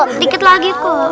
sedikit lagi tuh